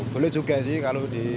boleh juga sih kalau di